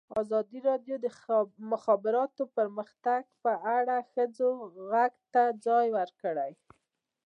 ازادي راډیو د د مخابراتو پرمختګ په اړه د ښځو غږ ته ځای ورکړی.